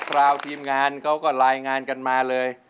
เราทีมงานเขาก็รายงานกันมาเลย